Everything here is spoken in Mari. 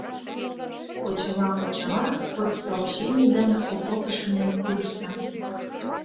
Почела-почела «ход сообщений» дене окопыш миен пурышна.